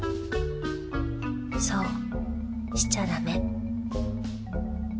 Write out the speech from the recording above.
そうしちゃだめ。